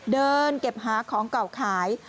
เดินเก็บหาของเก่าขาย